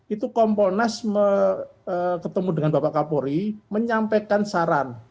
itu ponas ketemu dengan bapak kapori menyampaikan saran